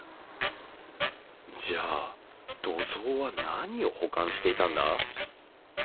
じゃあ土蔵は何を保管していたんだ？